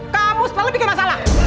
kamu setelah bikin masalah